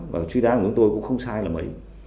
và suy đoán của chúng tôi cũng không sai là mấy